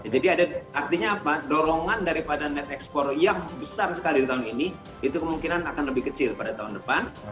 jadi artinya apa dorongan daripada net ekspor yang besar sekali di tahun ini itu kemungkinan akan lebih kecil pada tahun depan